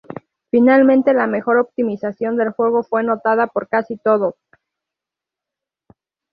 Finalmente, la mejor optimización del juego fue notada por casi todos.